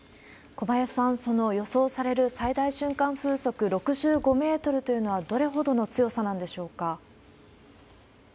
小林さん、その予想される最大瞬間風速６５メートルというのは、どれほどの強さなんでしょうか。